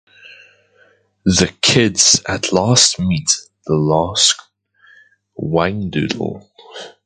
The kids at last meet the last Whangdoodle.